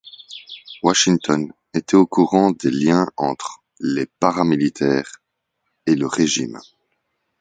Washington était au courant des liens entre les paramilitaires et le régime.